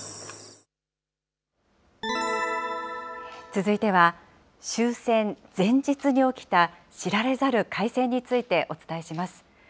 続いては、終戦前日に起きた知られざる海戦についてお伝えします。